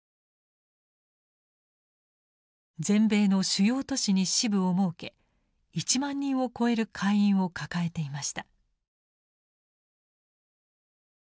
全米の主要都市に支部を設け１万人を超える会員を抱えていました。